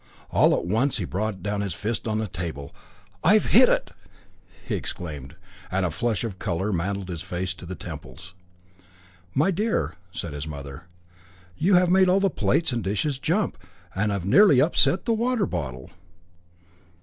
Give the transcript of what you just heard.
All at once he brought down his fist on the table. "I've hit it!" he exclaimed, and a flush of colour mantled his face to the temples. "My dear," said his mother; "you have made all the plates and dishes jump, and have nearly upset the water bottle."